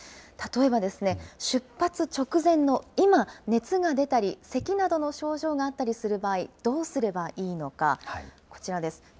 例えばですね、出発直前の今、熱が出たり、せきなどの症状があったりする場合、どうすればいいのか、こちらです。